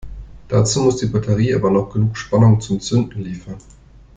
Dazu muss die Batterie aber noch genug Spannung zum Zünden liefern.